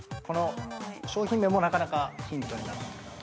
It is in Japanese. ◆商品名もなかなかヒントになってるかなと。